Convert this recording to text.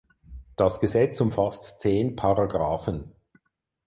Das Gesetz umfasst zehn Paragraphen.